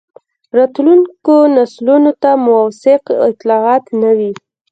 راتلونکو نسلونو ته موثق اطلاعات نه وي.